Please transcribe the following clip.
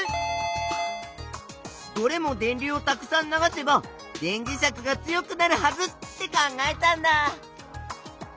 どれも電流をたくさん流せば電磁石が強くなるはずって考えたんだ！